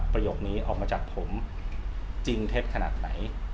ประโยคนี้ออกมาจากผมจริงเท็จขนาดไหน